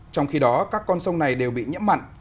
trong khi đó các con sông này đều bị nhiễm mặn